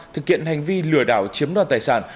thực hiện hành vi lừa đảo chiếm đoạt tài sản